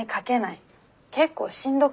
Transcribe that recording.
結構しんどくて。